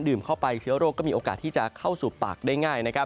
ดื่มเข้าไปเชื้อโรคก็มีโอกาสที่จะเข้าสู่ปากได้ง่าย